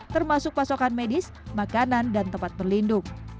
termasuk pasokan medis makanan dan tempat berlindung